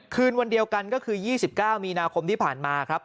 คืนวันเดียวกันก็คือ๒๙มีนาคมที่ผ่านมาครับ